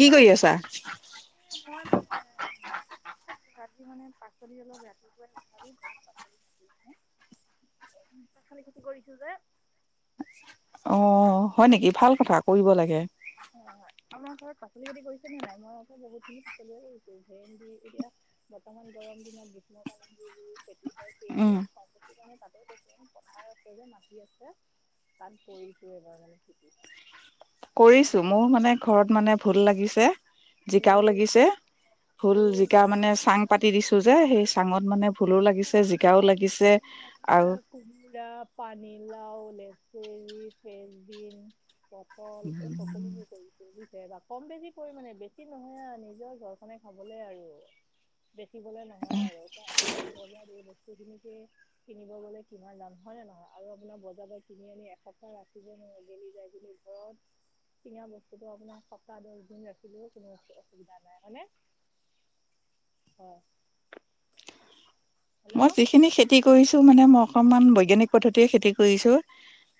কি কৰি আছা এ মই মানে ৰাতি মানে পাচলি অলপ ৰাতিপুৱাই উঠালো ঘৰত পাচলিি মানে খালি খেতি কৰিছো যে অ হয় নেকি ভাল কথা কৰিব লাগে হয় হয় আপোনাৰ ঘৰত পাচলি খেতি কৰিছে নে নাই মই আ বহুতখিনি পাচলিয়ে কৰিছো ভে এতিয়া বৰ্তমান গৰম দিনত গ্ৰীষ্মকালেন যিবোৰ খেতি হয় সেইবোৰৰে সম্পত্তিৰ কাৰণে তাতে পথাৰ আছে যে মাটি আছে তাত কৰিছো এই বাৰ মানে খেতি। এতিয়া কৰিছো ধৰক মোৰ মানে ঘৰত মানে ভোল লাগিছে জিকাওঁ ফুল লাগিছে ভোল জিকা মানে চাং পাতি দিছো যে সেই চাঙত মানে ভোলো লাগিছে জিকাওঁ ফুল লাগিছে আৰু কোমোৰা, পানী লাওঁ, লেচেৰি, ফেচবিন পটল এই সকলোবোৰ কৰিছো। বা কম বেছি পৰিমাণে বেছি নহয় আৰু নিজৰ ঘৰখনে খাবলে আৰু। বেচিবলে নহয় আৰু তই এতিয়া বজাৰত এই বস্তু খিনিকে কিনিব গ'লে কিমান দাম হয় নে নহয়? আৰু আপোনাৰ বজাৰ পৰা কিনি আনি এসপ্তাহ ৰাখিব নোৱাৰ, গেলি যাই বুলি অ [unintelligible] চিঙা বস্তুটো আপোনাৰ সপ্তাহ দহ দিন ৰাখিলেও কোনো অসুবিধা নাই হয়নে? হয়। মই হেল্ল' যিখিনি খেতি কৰিছো মানে মই অকনমান বৈজ্ঞানিক পদ্ধতিৰে খেতি কৰিছো।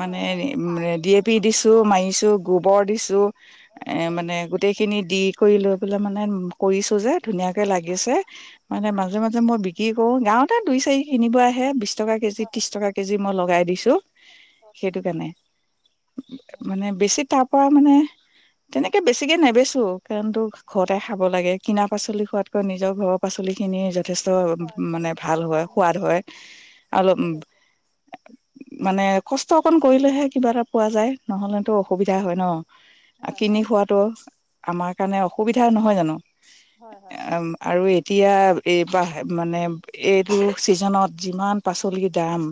মানে হয় হয় মই সাৰটো ডি এ মানে পি ঘৰুৱা দিছো সাৰটো মাৰিছো গোবৰ দিছো মই এ গোবৰ মানে দিছো গোটেই খিনি দি কৰি লৈ পেলাই মানে কৰিছো যে ধুনীয়াকে লাগিছে, মানে উম মাজে মাজে মই অ' গাঁৱতে দুই চাৰি কিনিব আহে বিশ টকা কেজি হয় ত্ৰিশ টকা মই লগাই দিছো, সেইটো কাৰণে মানে বেচি পৰা মানে তেনেকে বেছিকে নেবেচো, কাৰন তোৰ ঘৰতে খাব লাগে। কিনা পাচলি খোৱাতকৈ নিজৰ ঘৰৰ পাচলিখিনি যথেষ্ট। খোৱাৰ মানে পিছত ভাল সাৰ হয় সোৱাদ হয়। নোহোৱা অলপ ঠিকে কৈছে মানে কষ্ট অকন কৰিলেহে কিবা এটা পোৱা যায়। নহ'লেতো অসুবিধা হয় ন। হয় কিনি হয় খোৱাতটো আমাৰ কাৰণে অসুবিধা নহয় জানো? হয় হয় আৰু এতিয়া এইবাৰহে মানে এইটো চিজনত যিমান পাচলিৰ দাম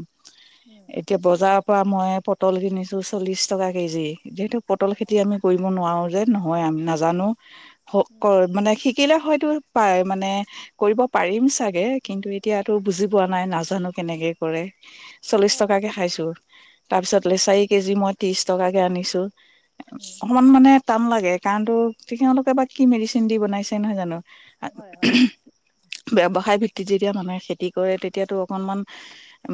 উম। এতিয়া বজাৰৰ পৰা মই পটল কিনিছোঁ চল্লিছ টকা কেজি, যিহেতু পটল হয় খেতি আমি কৰিব নোৱাৰো যে নহয় আমি নাজানো উম মানে কিলে হয়তো প মানে কৰিব পাৰিম চাগে, কিন্তু এতিয়াতো বুজি পোৱা নাই নাজানো কেনেকে কৰে, চল্লিশ হয় টকাকে খাইছো, তাৰপিছত হয় লেচাৰি কেজি মই ত্ৰিশ টকাকে আনিছো, উম অকমান মানে টান লাগে কাৰণ তো তেওঁলোকে বা কি মেডিচিন দি বনাইছে নহয় হয় হয় জানো। ব্যৱসায় ভিত্তিত যেতিয়া মানুহে খেতি কৰে তেতিয়াটো অকনমান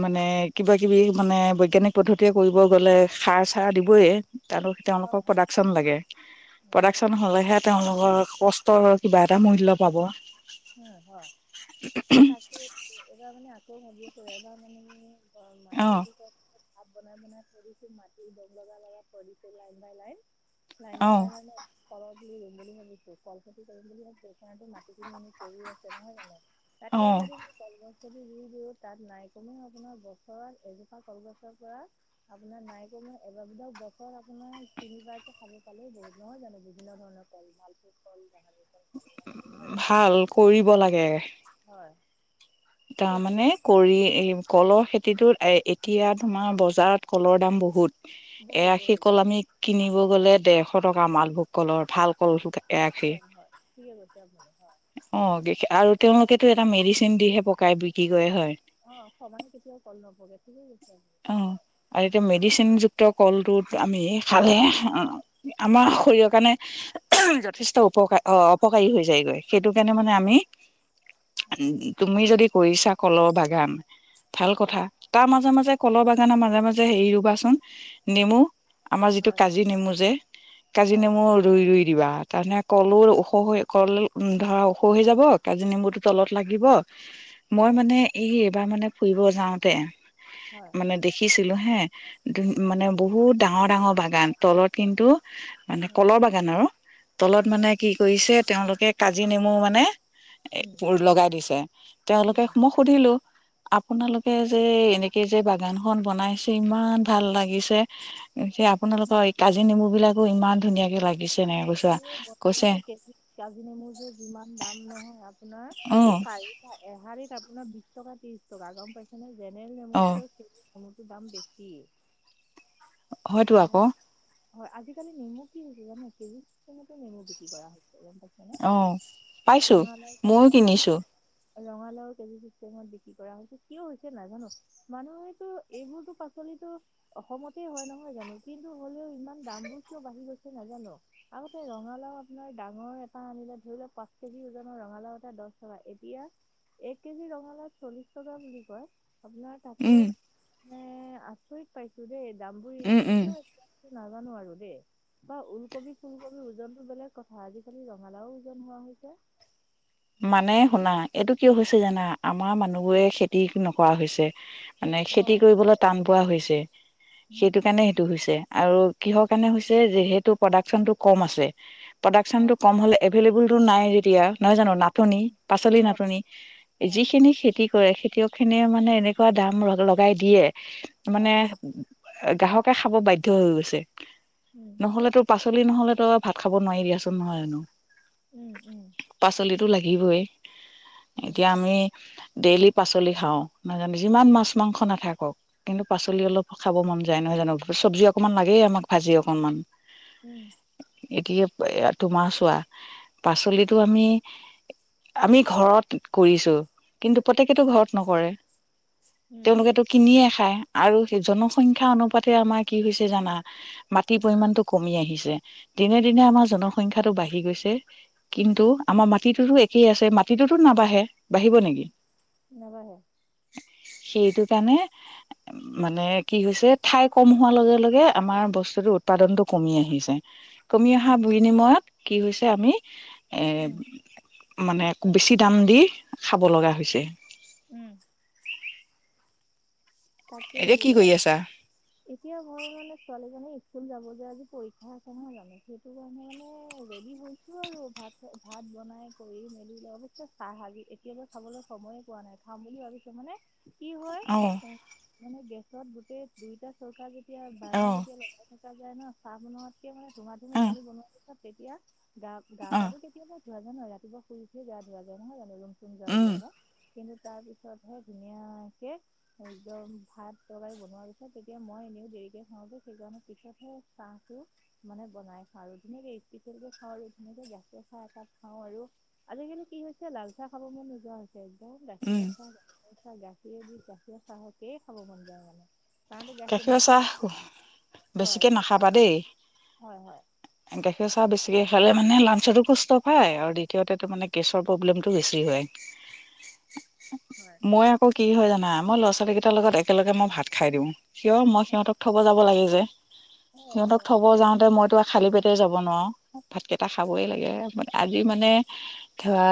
মানে কিবাকিবি মানে বৈজ্ঞানিক পদ্ধতিৰে কৰিব গ'লে সাৰ চাৰ দিবই তাৰো হয় তেওঁলোকৰ হয় প্ৰডাকচন লাগে উম প্ৰডাকচন হ'লেহে তেওঁলোকৰ কষ্ট ৰ কিবা এটা মুল্য পাব। উম হয়, তাকে এইবাৰ মানে আকৌ ভাবি আছো এবাৰ মানে অ' মাটি এ বিঘা হফ বনাই বনাই থৈ দিছো মাটিৰ দম লগাই লগাই থৈ দিছো লাইন বাই লাইন নাই অ নাই নাই নাই মই কলত ৰুম বুলি ভাবিছো কল খতিম বুলি মই বেখানাটো মাটি কিনি আনি [unintelligible] কৰি আছে নহয় জানো অ তাকে যদি কলগছ যদি ৰুই দিওঁ, তাত নাই কমেওঁ আপোনাৰ বছৰত এজোপা কলগছৰ পৰা আপোনাৰ নাই কমেওঁ এবাৰ ধাৰক বছৰত আপোনাৰ তিনিবাৰ কে খাব পালেও বহুত নহয় জানো? বিভিন্ন ধৰণৰ মালফে ফল বাহান [unintelligible] ভাল, কৰিব লাগে। হয়। সেইটো তাৰমানানে কাৰণে কৰি এই কলৰ খে টোত এ এতিয়া তোমাৰ বজাৰত কলৰ দাম বহুত। এ বহুত আশী বহুত কল আমি কিনিব গ'লে ডৰশ টকা মালভোগ কলৰ ভাল কল। এআশী হয়, হয় ঠিকে কৈছে আপুনি হয়। অ', আৰু তেওঁলোকেতটো এটা মেডিচিন দিহে পকাই বিক্ৰী কৰে হয়। অ', সমানে কেতিয়াও কল নপকে, ঠিকে কৈছে আৰু অ হয়। আৰু এতিয়া মেডিচিনযুক্ত কলটোত আমি খালে, আমাৰ শৰীৰৰ কাৰণে যথেষ্ট উপকাৰ, অ', অপকাৰী হৈ যায়গৈ সেইটো কাৰণে মানে আমি হয় তুমি যদি কৰিছা কলৰ বাগান, ভাল হয় কথা তাৰ মাজে মাজে কলৰ বাগানৰ মাজে মাজে হেৰি ৰুবাচোন নেমু আমাৰ যিটো হয় হয় কাজি নেমু যে, কাজি হয় হয় নেমু হয় ৰুই ৰুই দিবা, তাৰমানে কলৰ ওখ ধৰা ওখ হৈ যাব, কাজি নেমুটো তলত লাগিব মই হয় মানে এই এইবাৰ মানে, ফুৰিব যাওঁতে হয়। মানে দেখিছিলো হে মানে, বহুত ডাঙৰ ডাঙৰ বাগান তলত কিন্তু মানে, হয় কলৰ বাগান আৰু, তলত মানে হয় কি কৰিছে তেওঁলোকে কাজি নেমু মানে উম, লগাই দিছে। তেওঁলোকে, হয় মই সুধিলো, হয় আপোনালোকে যে এনেকে যে বাগান খন বনাইছে, ইমান ভাল লাগিছে আপোনালোকৰ, এই কাজি নেমু বিলাকো ইমান ধুনীয়াকে লাগিছে। এনেকে কৈছো কৈছে বজাৰতে কে কাজি নেমুযোৰ যিমান দাম নহয়, আপোনাৰ অ পাৰি [unintelligible] আপোনাৰ বিশ টকা, ত্ৰিশ টকা গম পাইছে নে, জেনেল অ নেমুৰটো নেমুৰটোৰ দাম বেছি। হয়তো আকৌ মোৰ, হয়, আজিকালি নেমু কি হৈছে জানে, কেজতো নেমু বিক্ৰী কৰা হৈছে গাম পাইছে নে অ', পাইছো ময়ো কিনিছো। ৰঙালাও কেজি [unintelligible] কৰা হৈছে কিয় হৈছে নাই জানো মানুহৰ হয়তো এইবোৰতো পাচলিতো অসমতে হয়, নহয় জানো, কিন্তু হলেও ইমান দামবোৰ কিয় বাঢ়ি গৈছে নাজানো। আগতে ৰঙালাও আপোনাৰ ডাঙৰ এটা আনিলে ধৰি লওক পা কেজি ওজনৰ ৰঙালাও এটা দহ টকা এতিয়া এক কেজি ৰঙালাও চল্লিশ টকা বুলি কয়, আপোনাক তাকো, উম মই আচৰিত পাইছো দেই দাম বোৰ উম উম কিয় হৈছে নাজানো আৰু দেই বা ওলকবি ফুলকবি ওজনতটো বেলেগ কথা, আজিকালি ৰঙালাও ওজন হোৱা হৈছে। মানে শুনা, এইটো কিয় হৈছে জানা, আমাৰ মানুহবোৰে খেতি নকৰা হৈছে। মানে, অ খেতি কৰিবলৈ টান পোৱা হৈছে। সেইটো উম কাৰণে, সেইটো হৈছে, আৰু কিহৰ কাৰণে হৈছে যিহেতু প্ৰডাকচনটো কম আছে। হয় প্ৰডাকশচনটো কম হ'লে, এভেইলেবল টো নাই যেতিয়া, নহয় জানো ন নাটনি, পাচলি হয় নাটনি, হয় যিখিনি খেতি খেতিয়ক খিনিয়ে মানে, এনেকুৱা দাম লগাই দিয়ে হয় মানে গ্ৰাহকে খাব বাধ্য হৈ গৈছে। উম, নহ'লে তো, পাচলি নহ'লেতো ভাত খাব নোৱাৰি দিয়াচোন নহয় জানো। উম, উম, পাচলিতো লাগিবই, উম এতিয়া আমি ডেইলি পাচলি খাওঁ, নাজানো যিমান মাছ মাংস নাথাকক কিন্তু পাচলি অলপ খাব মন যায়, নহয় জানো, চব্জি অকনমান লাগেই আমাক ভাজি অকনমান উম, এতিয়া তোমাৰ চোৱা, পাচলিতো আমি আমি ঘৰত কৰিছো, কিন্তু প্ৰত্যেকেতো ঘৰত নকৰে, উম তেওঁলোকেতো কিনিয়ে খায়, আৰু জনসংখ্যা অনুপাতে আমাৰ কি হৈছে জানা? মাটিৰ উম পৰিমাণটো কমি আহিছে, দিনে দিনে আমাৰ জনসংখ্যা টো বাঢ়ি গৈছে। কিন্তু, আমাৰ মাটিটো একেই আছে, মাটিটোতো নাবাঢ়ে বাঢ়িব নেকি নাবাঢ়ে সেইটো কাৰণে মানে কি হৈছে ঠাই কম হোৱাৰ লগে লগে আমাৰ বস্তুতো উৎপাদনতটো কমি আহিছে কমি উম অহা বিনিময়ত কি হৈছে আমি এৰ উম মানে বেছি দাম দি খাব লগা হৈছে উম তাকে এতিয়া কি বলো কৰি আছা আৰু এতিয়া হয় মানে ছোৱালী জনে স্কুল যাব যে আজি পৰীক্ষা কহ জানো সেইটো কাৰণে মানে ৰেডি হৈ ভাত ভাত বনাই কৰি মেলি ল অৱশ্যে চাহ আজি এতিয়াতো খাবলৈ সময়ে পোৱা নাই খাম বুলি ভাবিছ মানে কি হয় অ মানে গেছত গোটেই দুইটা চৌকা যেতিয়া অ বাইনা যেতিয়া লগাই থকা যায় ন চাহ বনোৱাতকে মানে ধুমা ধুমা অ এইখিনি বনোৱাৰ পিছত তেতিয়া গা অ পা ধুই কেতিয়াবা ধোৱা য নয় ৰাতিপুৱ শই উঠে গা ধোৱা যায় নহয় জানো ৰুমুম যা উ উম দা যা কিন্তু তাৰ পিছতহে ধুনীয়াকে হ ভাত তৰকাৰী বনোৱাৰ পিছত তেতিয়া মই এনেও দেৰিকে খাওঁগৈ সেইকাৰণে পিছতহে চাহটো মানে বনাই খাওঁ আৰু ধুনীয়াকে স্পেচিয়েল কেে খাওঁ আৰু ধুনীয়ে গেছে খা এাপ খাওঁ আৰু আজিকালি কি হৈছে লাল চাহ খাব মন নোযোৱা হৈছে উম গাখীৰ চাহাহ গাখ দি গাখীৰ চাহকেই খাব মন যায় মানে কাৰণটো গাখীৰ মাইকী মানহ বেছিকে হয় নাখাবা কওকচোন দেই হয় হয় গাখীৰ চাহ বেছিকৈ খালে মানে লাঞ্চতো কষ্ট পায় আৰু দ্বিতীয়তে তাৰ মানে কেছৰ প্ৰব্লেমটো বেছি হয় [unintelligible] হয় মই আকৌ কি হয় জানা মই ল'ৰা ছোৱালী কেইটাৰ লগত একেলগে মই ভাত খাই দিওঁ কিয় মই সিহঁতক থব যাব লাগে যে হয় অ সিহঁতক থব যাওঁতে মইতো খালী পেটে যাব নোৱাৰোঁ ভাতকেইটা খাবই লাগে আজি মানে ধৰা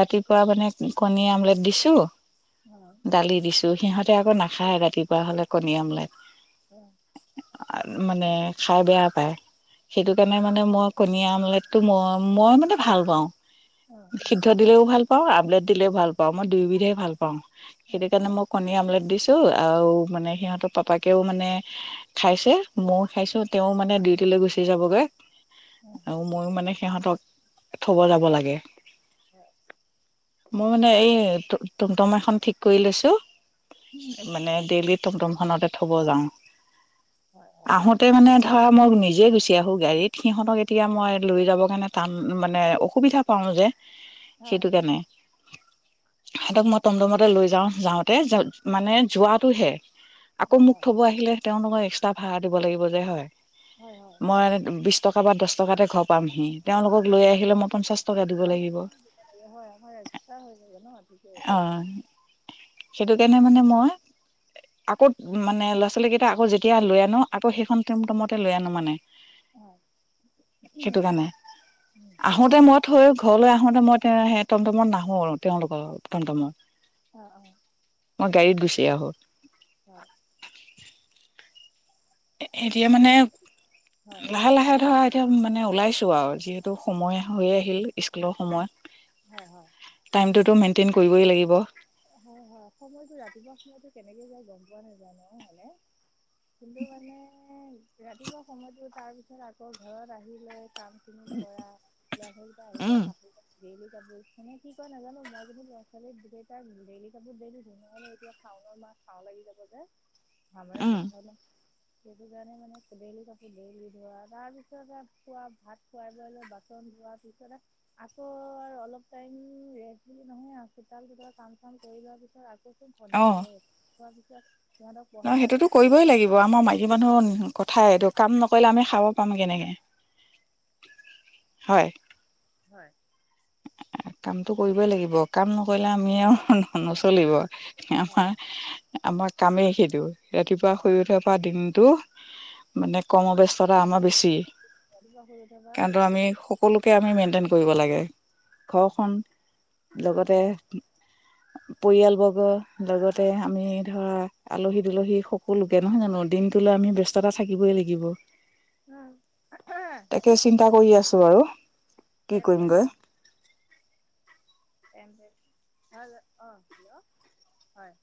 ৰাতিপুৱা মানে কণী আমলেট দিছো হয় দালি দিছো সিহঁতে আকৌ নাখায় ৰাতিপুৱা হলে কণী আমলাই অ মানে খাই বেয়া পায় সেইটো কাৰণে হয় মানে মই কণীয়া আমলেটটো মই মই মানে ভাল পাওঁ হয় সিদ্ধ দিলেও ভাল পাওঁ আমলেট দিলেও ভাল পাওঁ মই দুয়োবিধে ভাল পাওঁ হয় সেইটো কাৰণে হয় মোক কণী আমলেট দিছো আৰু মানে সিহঁতৰ পাপাকেও মানে খাইছে ময়ও খাইছো তেওঁ মানে ডিউটি লৈ গুচি যাবগৈ অ আৰু ময়ো মানে সিহঁতক থব যাব লাগে হয় মই মানে এই টমটমা এখন ঠিক কৰি লৈছোঁ মানে ডেইলি টমটম খতে থব যাওঁ হয় আহোতে তাতে মানে ধৰা মোক নিজে গুচ এতি আহো গাড়ীত সিহঁতক এতিয়া মই লৈ যাব কাৰণে টান মানে অসুবিধা পাও যে সেইটো কেনে সহতক মই টমটমতে লৈ যাওঁ যাওঁতে যা মানে যোৱাতটো হে আকৌ হয় হয় মোক থব আহিলে তেওঁলোকক এক্সট্ৰা ভাড়া দিব লাগিব যে হয় হয় হয় মই বিশছ টকা বা দহ টকাতে ঘৰ পামহি তেওঁলোকক লৈ আহিলে মই পঞ্চাশ টকা দিব পঞ্চাছ লাগিব হয় আমাৰ এক্সট্ৰা হৈ যাব ন ঠিকেই অ হয় সেইটো কাৰণে মানে মই আকৌ মানে ল'ৰা ছোৱালীকেইটা আকৌ যেতিয়া লৈ আনো আকৌ সেইখন টিম টমতে লৈ আনো মানে অ সেইটো কাৰণে আহোতে মই থৈ ঘৰলৈ আহোতে মই টমটমত নাহো আৰু তেওঁলোকৰ লগত হ তামা অ অ মই গাড়ীত গুি আহো হয় এতিয়া মানে হয় লাহে লাহে ধৰা এতিয়া মানে ওলাইছো আৰু যিহেতু সময় হৈয়ে আহিল স্কুলৰ সময়ত হয় হয় টাইমটোতো মেইনটেইন কৰিবই লাগিব হয় হয় সময়তটো ৰাতিপুৱা সময়তো কেনেকে যায় গম পোৱা নাজানো মানে কিন্তু মানে ৰাতিপুৱা সময়তটো তাৰপিছত আকৌ ঘৰত আহি লৈ কাম খিনি কৰা লালা আহিলে উম কাপোৰ ক ডেইল কাপোৰ মানে কি কয় নাজানো মই যো ল'ৰা ছোৱাল বো ডেইলি কাপোৰ ডেইলি ধুমে এতিয়াাওনৰ মা খাও লাগি যাব যে ভাৰ উম বধ ন সেইটো কাৰণে মানে ডেইলি কাপো ডেইলি ধৰা তাৰ পিছত খোৱা ভাত খুৱাই বোৱাই লোৱা বাকী হোৱাৰ পিছত আকৌ আৰু অলপ টাইম ৰে বুলি নহয় আল কাম চাম কৰি লোৱাৰ পিছত আকৌ চুব সন্ধিয়া হয় থোৱাৰ পিছত সিহঁতক নহয় পঢ়াই আকৌ সেইটোতো কৰিবই লাগিব আমাৰ মাইকী মানুহৰ কথাই এইটো কাম নকৰিলে আমি খাব পাম কেনেকৈ হয় হয় কামতটো কৰিবই লাগিব কাম নকৰিলে আমি আৰু হয় নচলিব হয় আমাৰ আমাৰ কামেই সিদিো ৰাতিপুৱা হয় শুই উঠাৰ পৰা দিনটো মানে কৰ্মব্যস্ততা আমাৰ বেছি ৰাতিপুৱা শুই উঠাৰ পৰা কাৰণো ৰাতি আমি সকলোকে আমি মেইনটেইন কৰিব লাগে হয় ঘৰখন লগতে হয় পৰিয়ালবৰ্গ লগতে হয় আমি ধৰা আলহী দুলহী সকলোকে নহয় জানো দিন আমি ব্যস্ততা থাকিবই লাগিব উম তাকে চিন্তা কৰি আছো আৰু কি তেন্ত দে কৰিমগৈ ভ অঁ হেল্ল' হয়